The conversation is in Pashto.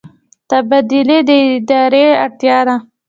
تبدیلي د ادارې اړتیا ده